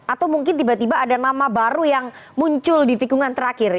atau mungkin tiba tiba ada nama baru yang muncul di tikungan terakhir